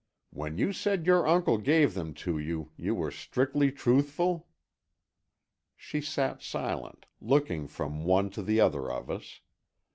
When you said your uncle gave them to you, were you strictly truthful?" She sat silent, looking from one to the other of us.